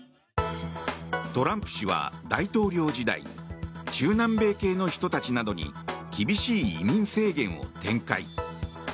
トランプ氏は大統領時代中南米系の人たちなどに厳しい移民制限を展開。